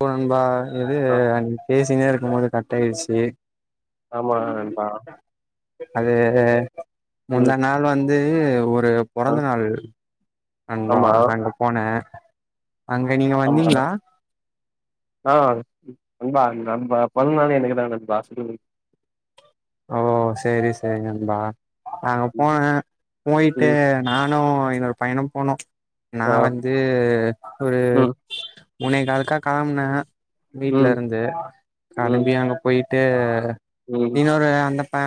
போ நண்பா இது ஆ அன் பேசினே இருக் போம்போதே கட்டாயிடுச்சி ஆமா நண்பா அது முந்த ம் நாள் வந்து ஒரு ஆ பொறந்த நாள் அங்க ஆமா அங்க போனே அங்க நீங்க வந்தீங்களா ஆஹ் நண்பா [unintelligible] பொறனாலே எனக்குதான் நண்பா ஓ செரி செரி நம்பா அங்க ம் போனே போயிட்டு ம். நானு ன்னொரு பாயனு போனோம் ஆ நான் வந்து ஒரு ம் முனை கால் அக்கா கானம்னா ம் வீட்டு்லருந்து ம் களம்பி அங்க போயிட் டா ம் இன்னொரு அந்த அ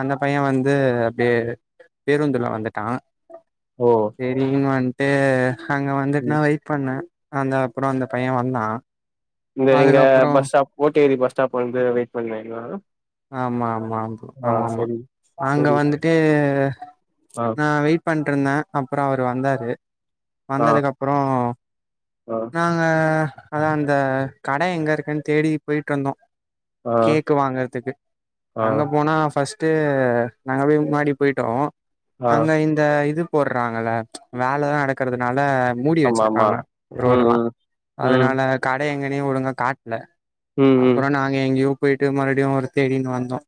அந்த பைய வந்து அப்படிய பேருந்துல வந்துட்டா ஓ சரிமன் ஏ அங்க வந்துட் நா ம் வெயிட் பண்ணே அந்த அப்பற அந்த பைய வந்தான் இந்த இங்க பஸ் ஸ்டாப் போ ரிஸ்சேரி ஸ்டாப் வந்து வெய் பண்ணங்களா ஆமா ஆம் ஆ ஆ ஆமமா அங்க சரி வந்துட்டு ஹ ஆ நா வெயிட் பண்ணட்ருந்தே அப்பற அவர் வந்தாரு ஆ வந்ததுக்கப்பற ஆ நாங்க அதான் ஹ அந்த கடை எங்க இருக்குன்னு தேடி போயிட்ருந்தோ ஆ கேக்கு வாங்கறதுக்கு ஆ அங்க போனாப் ஃபஸ்ட்டு ஹ நாங்க போய் முன்னாடி போய்ட்டோ ஆ அங்க இந்த இதுப் போடுறாங்கல ச் வேலைதா நடக்கறதுனால மூடி ஆமா ஆமா வச்சிருக்காங்க ரோடு ல்லா ம் ம் அதனால கடை எங்க நீ ஒழுங்கா காட்ல ம் ம் அப்பற நாங்க எங்கேயோப் போயிட்டு மறுடியு தேடினு வந்தோ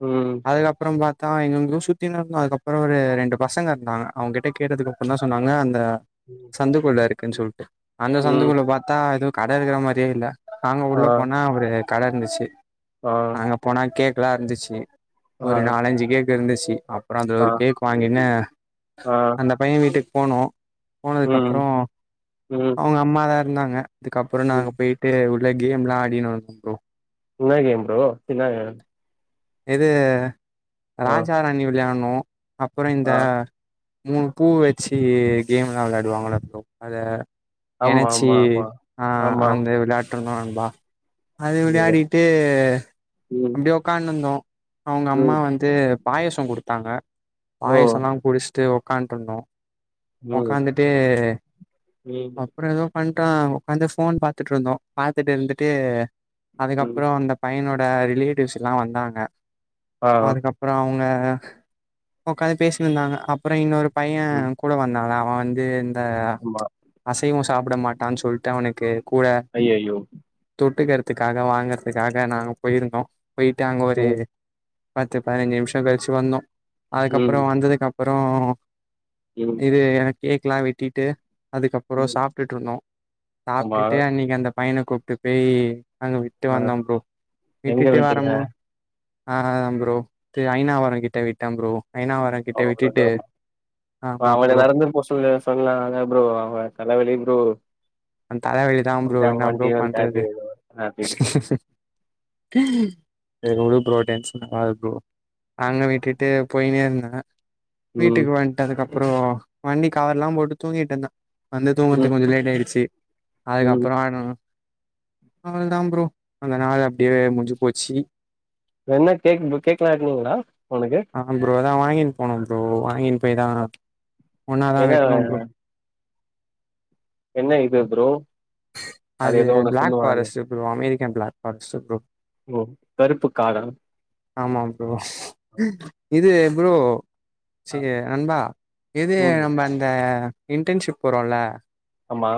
ம் அதுக்கப்புற ப தா எங்கங்கக்கு சுத்தினு இருந்தொ அதுக்கப்பற ஒரு ரெண்டு பசங்க இருந்தாங்க அவங்க கிட்ட கேட்டதுக்குப்பற தா சொன்னாங்க அந்த ம் சந்து குள்ளாறு இருக்குனு சொல்டு அந்த ம் சந்துக்குல்ல பத்தா எதோ கடை இருக்கிற மாரியே இல்ல அங்க ஆ உள்ள போனா ஒரு கட இருந்துச்சு ஆ அங்க போனா கேக் எல்லா இருந்துச்சு ஆ ஒரு நாலஞ்சு கேக் இருந்துச்சி அப்புற அந்த ஆ ஒரு கேக் வாங்கின்னு ஆ அந்த பைய வீட்டுக்கு போணோ போனதுக்கு அப்புற ம் ம் அவங்க அம்மாதா இருந்தாங்க அதுக்கப்புற ம் நாங்க போயிட்டு கேம்லா ஆடினு இருந்தம் ப்ரோ என்ன கேம் ப்ரோ என்ன கேமு இது ராஜாராணி விளாண் அப்பறொ இந்த ஆ மூணு பூ வச்சு கேம்மெலா வெளயாடுவாங்கள ஃப்ரோ அத ஆமா எணச்சி ஆமா ஆமா ஆஹ் ஆமா அந்த விளையாட் டுருந்தோ நண்பா அது ஓ விளையாடிட்டு ம் அப்டியே உக்காந்து ந்தோ அவங்க அம்மா ம் வந்து பாயசொ குடுத்தாங்க ஓ பாயாசலா குடுச் ட்டு உக்காட்டுருந்தோ ம் உக்காந்துட்டு ம் வண்ட்டோ உக்காந்து ஃபோன் பாத்துட்டுருந்தோ பாத்துட்டு இருந்துட்டு ம் அதுக்கப்றொ அந்தப் என்னோட ரிலேட்டிவ்ஸ்லா வந்தாங்க ஆ அதுக்கப்பற அவுங்க அஹ் உக்காந்து பேசினுரிந்தாங்க அப்புற இன்னொரு பைய ம் கூட வந்தானா அவ வந்து இந்த ஆமா அசைவோ சாப்புட மாட்டான்னு சொல்ட்டு அவனுக்கு கூட ஐயையோ தொட்டுக க்காக வாங்றதுக்காக நாங்க போயிருக்கோம் போயிட்டாங்க ஒரு ம் பத்து பதினஞ்சு நிம்ஷம் கழிச்சி வந்தோம் ம் அதுக்கப்றம் வந்ததுக்குக்கப் புறம் ம் இது எனக் கேக்லாங் வெட்டிட்டு அதுக்கப்புறம் ம் சாப்ட்டுட்டு இருந்தோம் ஆமா சாப்ட்டுட்டு அன்னிக்கு அந்தப் பைனக் கூப்ட்டு பேய் அங்க விட்டு ஆ வந்தோம் ப்ரோ எங்க விட்டுட்டு விட்டீங்க வாரம்போ ஆஹ்ன் ப்ரோ இது ஐநாவரம் கிட்ட விட்டன் ப்ரோ ஐனாவரோ கிட்ட விட்டுட்டு ஆமா அவன ப்ரோ நடந்துப்போ சொல்லு சொல்லாத ப்ரோ அவன் தலவலி ப்ரோ அவன் தலவலிதான் ப்ரோ அவன்ட்ட அவ என்னா ப்ரோ வண்டியு இருக்காது பண்றது செரி உடு ப்ரோ டென்ஷன் ஆவாத ப்ரோ அங்க விட்டுட்டு போயினே இருந்தேன் ம் வீட்டுக்கு வன்ட்டு அதுக்கப் புறோ வண்டி கவறெல்லாம் போட்டு தூங்கிட்டு இருந்தேன் வந்து ம் தூங்குர்த்துக்கு கொஞ்சொ லேட் ஆயிச்சு ம் அதுக்கப்பறம் ஆயிணும் அவளோதான் ப்ரோ அந்த நாள் அப்டியே முடிஞ்சு போச்சி என்ன கேக் கேக்லாம் வெட்னீங்களா அவனுக்கு நா வாங்கினு போனே ப்ரோ வாங்கினு போய்தா ஒன்னாதா என்ன வெட்ணும் ப்ரோ என்ன இது ப்ரோ அது எதோ ஒன்னு பிளாக் சொல்லுவானே forest bro அமெரிக் ரிக்க black forest bro ஓ கருப்பு காடா ஆமாம் ஓ இது ப்ரோ அ, செரி நண்பா இது ம் நம்ம அந்த இன்டென்ஷிப் போறோல ஆமா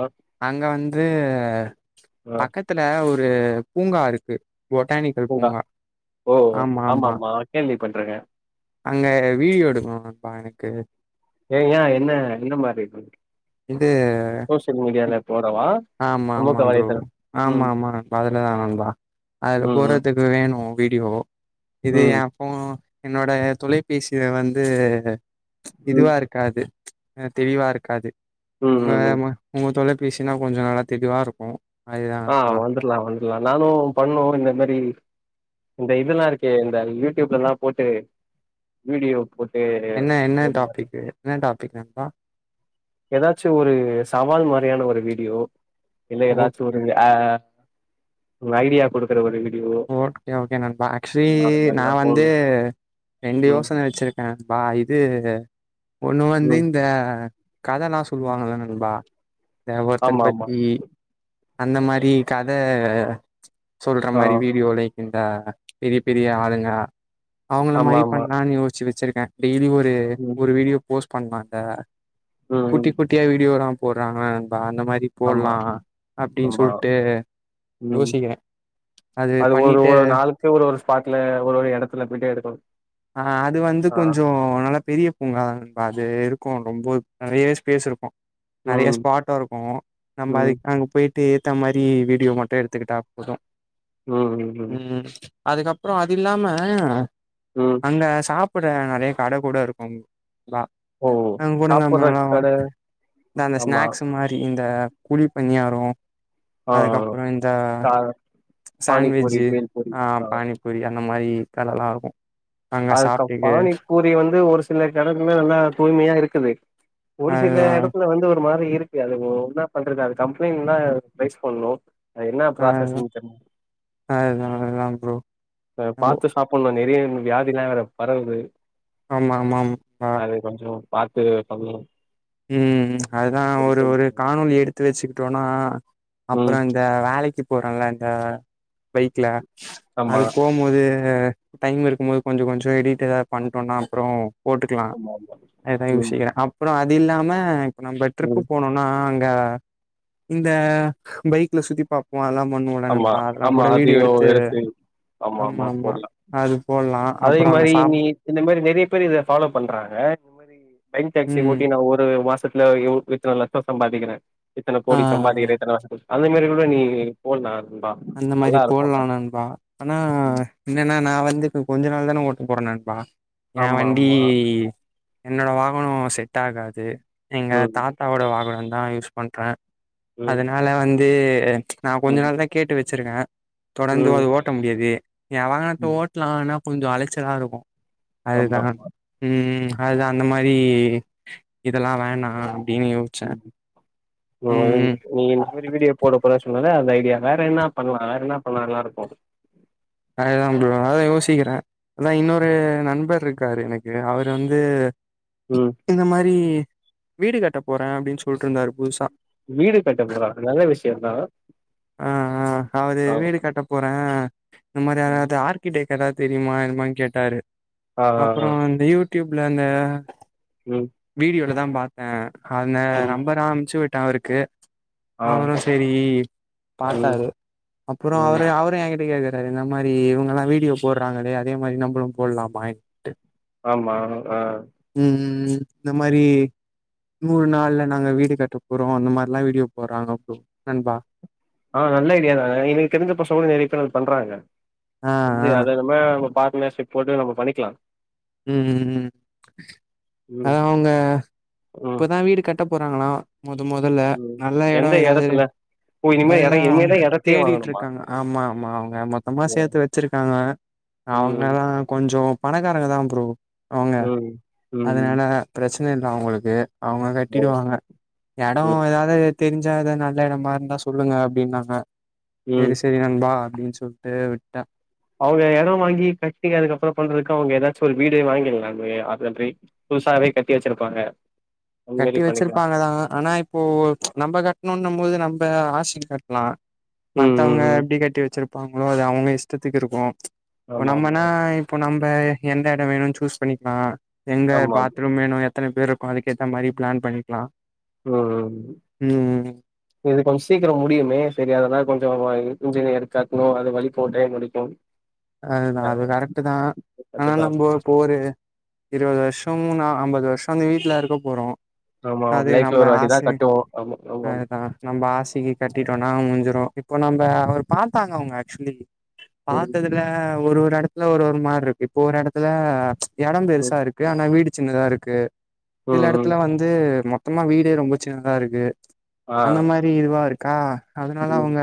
அங்க வந்து ச்ச் ஆ பக்கத்துல ஒ ரு பூங்கா இருக்கு பூங்கா ஒ ஒ ஒ ஆமா ஆமா கேள்வி பட்ருக்க அங்க வீடியோ எடுக்னு நண்பா எனக்கு ஏ ஏன் என்ன என்ன மாரி இது இது சோசியல் மீடியால போடவா? ஆமா சமூக ஆமா ப்ரோ வலைதளம் ஆமா ம் ஆமா நண்பா அதுலதா நண்பா, அதுல ம் போறதுக்கு வேணு வீடியோ ம் இது ஏ ம் ஃபோ என்னோட தொலைபேசில வந்து ம் இதுவா இருக்காது ச்ச் அ தெளிவா இருக்காது ம் உங்க ம் ம் உக தொலை [unintelligible] கொஞ்ச நல்லா தெளிவாருக்கோ ஆ வந்தர்லா வந்தலா, நானு பண்ணு இந்தமேரி இந்த இதலா இருக்கே இந்த யூடியூப்லலா போட்டு வீடியோ போட்டு எ என்ன என்ன ஒரு மாரி டாபிக்கு என்ன டாபிக் நண்பா எதாச்சு ஒரு சவால் மாரி வேணு ஒரு வீடியோ இல்ல எதா ஓகே ஒரு அ ஒரு ஐடியா குடுக்குற ஒரு வீடியோ ஓகே ஓகே நண்பா ஆக்சுவலி அந்த நா மாரிலா வந்து போடணு ரெண்டு ம் யோசன வெச்சிருக்கே நண்பா இது ஒண்ணு வந்து இந்த கதல்லா ம் சொல்வாங்கள நண்பா [unintelligible] ஒர்த்தர் ஆமா ஆமா பத்தி அந்த மாரி கத சொல்ற ஆ மாரி வீ உலைக்கின்ற பெரிய பெரிய ஆளுங்குளா அவங்ள ஆமா மாரி ஆமா பண்லான்னு யோசுச்சு வெச்சிரு டெய்லி ஒரு து ம் ஒரு வீடியோ போஸ்ட் பண்றாங்க ம் குட்டி ம் குட்டியா வீடியோதா போடுறாங்கல்ல நண்பா அந்த மாரி ஆமா போடலா அப்டின் ஆமா சொல்ட்டு ம் யோசிக்கிறே அது ஒரு ஒரு நாளுக்கு ஒரு ஒரு ஸ்பாட்ல ஒரு ஒரு எடத்துல போய்ட்டு எடுக்கணு ஆ அது வந்து ஆஹ் கொஞ்சோ நல்லா பெரிய பூங்கா தா அது இருக்கு ரொம்ப நெறைய ஸ்பேஸ் இருக்கு நெறைய ம் ஸ்பாட்டா இருக்கு நம்ப ம் அதுக்கு அங்க போயி ஏத்த மாரி வீடியோ மட்டு எடுத்துக்கிட்டா போது ம் ம் ம் அதுக்கப்ரொ அது இல்லாம ம் அங்க சாப் புட நெறைய கட கூட இருக்கும் அ ஓ சாப்புட்ற கட [unintelligible] இந்த ஆமா ஸ்நாக்ஸ் மாரி இந்த குழி பணியாரோம் ஆஹ்ஹ அஹ் சாண்ட்வெஜ் ஆஹ் பானிபூரி அந்த மாரி தனல்லாகும் அதுக்கு பானிப்பூரி வந்து ஒரு சில கடத்துல நல்லா தூய்மையா இருக்குது ஒரு சில அதுதா எடத்துல வந்து மாரி இருக்கு அது என்ன பண்றது அது கம்ப்ளைண்ட் தா ரெய்ஸ் பண்ணு அது என்ன அதுதா ப்ரோசஸ்னு தெர் உம் அதுதா அதுதா ப்ரோ பாத்து சாப்பட்ணும் நெறைய [unintelligible] [unintelligible] வேற பரவுது ஆமா ஆமாம் அ அது கொஞ்சோ பாத்து பண்ணு ம் ம் அதுதா ஒரு ஒரு காணொலி எடுத்து வச்சிக்கிட்டோன்னா ம் அப்பறோ இந்த வேலக்கி போறல்ல அந்த பைக்ல ஆமா அது போம்போது டைம் இருக்கும் போது கொஞ்ச கொஞ்ச எடிட் எதாவது பண்ட்டோன்னா அப்றொ போட்டுக்கலா ஆமா ஆமா அதுதா ம் யோசிக்கிறே அப்றொ அத் து இல்லாம நம்ப ட்ரிப்பு ம் போனோன்னா க இந்த பைக்ல சுத்தி பாப்போ அதுல்லா பண்ணுவோல்ல ஆமா நண்பா அதல்லா ஆமா கூட வீடியோ அதையு எடுத்து ஆமா ஆமா அது போல் அதே மாரி நீ இந்த மேரி நெறைய பேர் இத ஃபாலோ பண்றாங்க பைக் டாக்ஸி ம் ஓட்டி நா ஒரு ஒரு மாசத்துல யொ இத்தன லட்சம் சம்பாதிக்கறே இத்தன ஆ கோடி சம்பாதிக்கறே இத்தன வருஷத்துல அது மாரி கூட நீ போட்லா நண்பா அந்த மாரி நல்லா போட்லா இருக்கு நண்பா ஆனா என்னன்னா நா வந்து கொஞ்ச நாள் தான ஓட்ட போறே நண்பா எ ஆமா வண்டி ஆமா என்னோட வாகனம் செட் ஆகாது எங்க ம் தாத்தாவோட வாகனோ நா யூஸ் பண்ற ம் அதனால வந்து நா கொஞ்ச ம் நாள் தா கேட்டு வச்சிருக்க தொடந்து ம் அது ஓட்ட முடியாது என் வாகனத்த ம் ஓட்லா ஆனா கொஞ்சோ அலைச்சலா இருக்கும் அதுதா ஆமா ம்ம் அதுதா அந்த மாரி இதெல்லா வேணா அப்டின்னு யோசிச்சே ம் ஓ ம் நீ இந்த மாரி வீடிய போடப் போட சொன்னல்ல அந்த ஐடியா வேற என்ன பண்ணலா என்ன பண்ணா நல்லா இருக்கு அதுதா ப்ரோ அதுதா யோசிக்கிறே அதா இன்னொரு நண்பர் இருக்காரு எனக்கு அவரு வந்து ம் இந்த மாரி வீடு கட்ட போறே அப்டீன்னு சொல்ட்டு இருந்தாரு புதுசா வீடு கட்ட போறாரா நல்ல விஷயந்தா ஆ ஆ அவரு ஆ வீடு கட்ட போறே இந்த மாரி ம். அதாது ஆர்க்கிடெக் எதாது தெரியுமா என்மான்னு கேட்டாரு ஆ ஆ அப்பறோ ஆ இந்த யூத் ட்யூப்ல அந்த ம் வீடியோ எடுத் அதா பாத்தே அந்த ம் நம்பரா அம்ச்சி விட் டவருக்கு ஆ அவரு சேரி ம் பாத்தாரு அப்பறோ ம் அவரு அவரு என்கிட் [unintelligible] சரி இந்த மாரி இவங்கெல்லா வீடியோ போடுறாங்களே அதே மாரி நம்மளு போடலாமா என் ஆமா ஆ ம் இந்த மாரி நூறு நாள்ல நாங்க வீடு கட்ட போறோ அந்த மாரிலா வீடியோ போடுறாங்க ப்ரோ நண்பா ஆ நல்ல ஐடியா தாங்க எனக்கு தெரிஞ்ச பசங்க கூட நிறைய பேர் அத பண்றாங்க ஆ தெரிஞ்சி ஆ அத நம்ம பாக் ஜிம்னாஸ்டிக் போட்டு நம்ம பண்ணிக்கலா ம் ம் ம் அவங்க ம் இப்பதா வீடு கட்ட போறாங்களா மொத மொதல்ல ம் நல்ல இடோ எந்த ஏதாது எடத்துல ஓ இனிமே எட அதுதா இனிமேதா எடத்தையே தேடிட்டு வாங்கணுமா இருக்காங்க ஆமா ஆமா அவங்க மொத்தமா ஓ சேத்து வச்சிருக்காங்க ம் அவங்கெல்லா கொஞ்சோ பணக்காரங்க தா ப்ரோ அவங்க ம் ம் அதனால பிரச்சன பிரச்சன இல்ல அவங்களுக்கு அவங்க ஓ கட்டிடுவாங்க எடோ ம் ஏதாது தெரிஞ்சா எதா நல்ல இடமா இருந்தா சொல்லுங்க அப்டின்னாங்க ம் சேரி சேரி நண்பா அப்டின் சொல்ட்டு விட்டே அவங்க எடம் வாங்கி கட்டி அதுக்கப்பற பண்றதுக்கு அவங்க ஏதாச்சும் ஒரு வீடு வாங்கிட்லாமே அதுகாண்றி புதுசாவே கட்டி வச்சிருப்பாங்க அந்த கட்டி மாரி பண்ணிக்கலா வச்சிருப்பாங்க தா ஆனா இப்போ நம்ம கட் ணேணுன்னும்போது நம்ப ஆசிக் கட்லா ம் ம் மத்தவங்க ம் எப்டி கட்டி வச்சிறுப் பாக்போனா அது அவங்க இஷ்டத்துக்கு இருக்கு இப்ப ஆமா ஆமா நம்மனா இப்போ நம் நய் எந்த எடம் வேணுன்னு சூஸ் பண்ணிக்கலா எங்க ஆமா பாத்ரூம் வேணு எத்தனபேர் இருக்கும் அதுக் ஏத்த மாரி பிளான் பண்ணிக்கலாம் [unintelligible] இதுக் அமிச் சீக்கிரம் முடியுமே சரி அதெல்லாம் கொஞ்சம் இன்ஞினியர்க் காட்னோ அத வலிக்கும் [unintelligible] நா அது கரெக்ட்தா ஆனா கண்டிப்பா நம்ப போரு இருவது வருஷம் நா அம்பது வருஷம் இந்த வீட்ல் இருக்க போறோம் ஆமா அது லைஃப்ல நம்ம ஒரு வாட்டிதா ஆசை கட்டுவோ ஆமா ஆமா அதான் நம்ப ஆசைக்கு கட்டிட்டோனா முஞ்சூரும் ம் இப் நம்ப அவர் பாார்த்தாங்க அவங்க ஆக்சுலி [unintelligible] இல்ல ஒரு ஒரு எடத்துல ஒரு ஒரு மாரி இருக்கு இப்ப ஒரு எடத்துல எடம் பெருசா ம் இருக்கு ஆனா வீடு சின்னதா இருக்கு சில ம் ம் எடத்துல வந்து மொத் மொத்தமா வீடே ரொம்ப சின்னதா இருக்கு ஆ அந்த மாரி இதுவா இருக்கா அதனால ம் அவங்க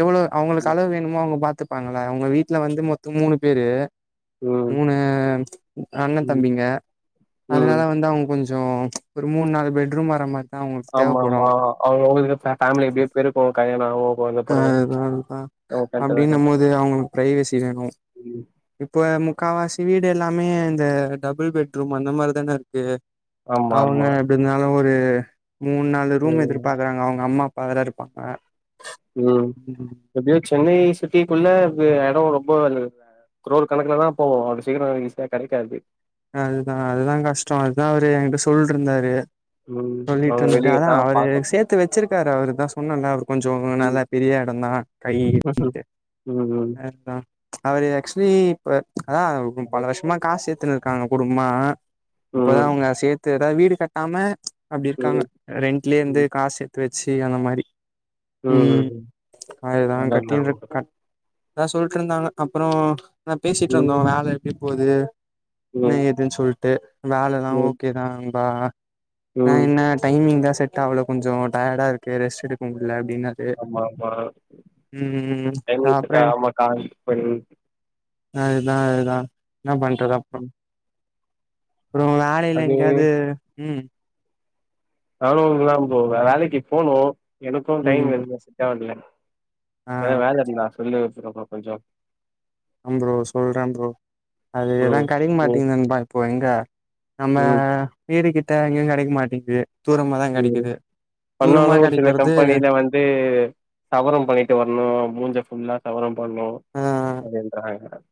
எவ்ளோ அவங்களுக்கு ம் அளவு வேணுமோ அவங்க பாத்துப் பாங்களா அவங்க வீட் வீட்ல வந்து மொத்தம் மூணு பேரு ம் மூணு அண்ண ம் தம்பிங்க அதனால ம் வந்து அவங்க கொஞ்சம் கொஞ்சே ஒரு மூண் நாலு பெட்ரூம் வரமாரி ஆமா ஆமா அவங்கவங்களுக் ஃபேமிலி எப்படியூம் பெரூக்கூம் கல்யாணம் ஓ ஆ அதுவேறப்ப, தா அப்டின்னூம் கரெக்ட் போது அவங்களுக்கு பிரைவெசி வேணும் தா இப்ப முக் முக்காவாசி வீடு எல்லாமே இந்த டபுள் பெட்ரூம் அந்த மாதிரி தானே இருக்கு ஆமா அவங்க ஆமா. எப்படிருந்தாலும் ஒரு மூண் நாலு ரூம் ம், எதிர்பாக்குறாங்க அவங்க அம்மா அப்பா வேற இருப்பாங்க ம் எப்டியோ சென்னை சிட்டிக்குள்ள எடோ ரொம்போ க்ரோ கணக்கலதா போவு அவ்ளோ சீக்ரோ ஈசியா கெடைக்காது அதுதா அதுதா கஷ்டோ அதுதா அவரு என்கிட்ட சொல்ருந்தாரு ம். சொல்லிட்டு அவங்க இருந்துட்டு வெளிய அதா தான் அவரு பாக்கணும். சேத்து வச்சிருக்காரு அவருதா பொண்ணுள்ள அவர் கொஞ்சோ நல்ல ம். பெரிய இடம் தா ம், ம். [unintelligible] அதா அவர் ஆக்ஸ்லி இப்ப அதா பல அதேதான். வருஷமா காஸ் சேத் [unintelligible] குடும்மா இப்பதா உங்க சேத் த்து எதா வீடு கட்டாம அப்டி இருக்காங்க ரெண்ட்லயே வந்து ம், காஸ் சேத் வச் சேரி அந்த மாரி ம், உம் ம், ம். அதுதா அதான் கட்டிற கட் அதா சொல்டு இருந்தாங்க அப்றோ நா பேசிட்டு ம், இருந்தோ வேல இப்போது என்ன ம், எதுன்னு சொல்டு வேலல்லா ம், ஓகேதா [unintelligible] நா ம். என்ன டைமிங் தா செட்டாவுல கொஞ்சோ டையடா இருக்கு ரெஸ்ட் எடுக்க முள்ள ஆமா ஆமா ம் எங்க செட் ஆகல ஆமா கால் பன் ஆஹ் இதா அதா நா பண்ற உம் அப்றோ வேலையில எங்கயாவது உம் நானு [unintelligible] ப்ரோ வேலைக்கி போனு எனக்கும் டைம் ம் எதுமே செட் ஆவுரதில்ல ஆ எதா வேல இருந்தா சொல்லு [unintelligible] பஞ்சாப் ஆம் ப்ரோ சொல்ற ப்ரோ அது எதா ம், கடைக்க ம், மாட்டீங்து நண்பா இப்போ எங்க நம்ம ம். மீரி கிட் ட எங்கியு கெடைக் மாட்டிங்து உம் பண்ணாலு ஒரு சில கெடைக்கறது கம்பெனில வந்து சவரம் பண்ணிட்டு வர்ணும் மூஞ்ச ஃபுல்லா. சவரம் பண்ணோ ஆ அப்டிறாங்க